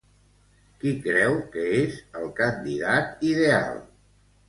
Qui creu que és el candidat ideal?